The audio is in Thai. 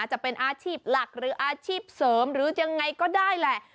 จะเป็นอาชีพหลักหรืออาชีพเสริมหรือยังไงก็ได้แหละ